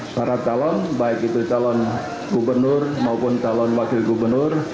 para calon baik itu calon gubernur maupun calon wakil gubernur